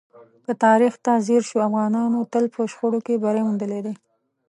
که تاریخ ته ځیر شو، افغانانو تل په شخړو کې بری موندلی دی.